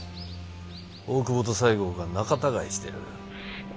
大久保と西郷が仲たがいしてる。